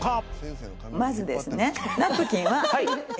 まずですね。